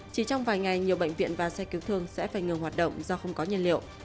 chỉ trong vài ngày nhiều bệnh viện và xe cứu thương sẽ phải ngừng hoạt động do không có nhân liệu